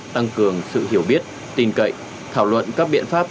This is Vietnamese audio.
tăng cường sự hiểu biết tin cậy thảo luận các biện pháp